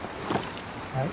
はい。